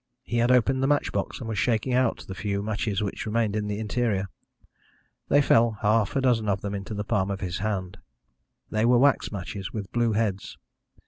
He had opened the match box, and was shaking out the few matches which remained in the interior. They fell, half a dozen of them, into the palm of his hand. They were wax matches, with blue heads.